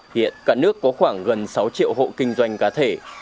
hiện cả nước có khoảng gần sáu triệu hộ kinh doanh cá thể